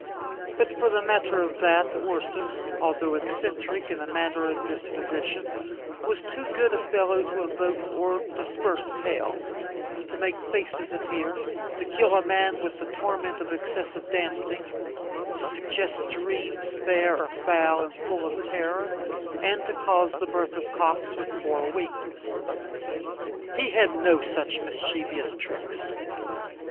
But for the matter of that, Ursus, although eccentric in manner and disposition, was too good a fellow to invoke or disperse hail, to make faces appear, to kill a man with the torment of excessive dancing, to suggest dreams fair or foul and full of terror, and to cause the birth of cocks with four wings. He had no such mischievous tricks.